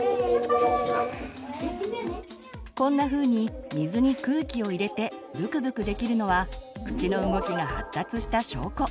こんなふうに水に空気を入れてブクブクできるのは口の動きが発達した証拠。